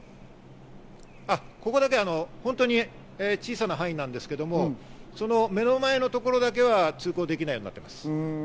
ここだけ小さな範囲なんですけど、その目の前の所だけは通行できないようになっています。